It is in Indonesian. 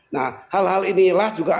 nah hal hal inilah juga